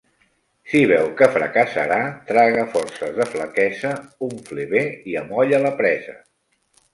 Si veu que fracassarà, traga forces de flaquesa, unfle bé i amolle la presa.